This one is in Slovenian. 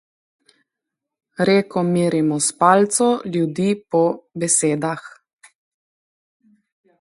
Reko merimo s palico, ljudi po besedah.